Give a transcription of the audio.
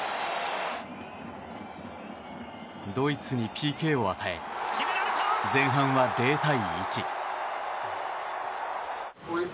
ドイツにＰＫを与え前半は０対１。